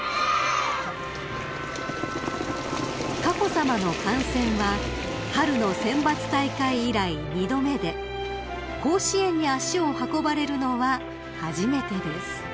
［佳子さまの観戦は春の選抜大会以来二度目で甲子園に足を運ばれるのは初めてです］